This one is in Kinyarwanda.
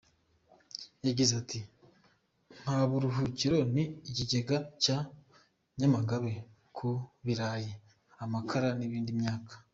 Yagize ati “Nka Buruhukiro ni ikigega cya Nyamagabe ku birayi, amakara n’indi myaka.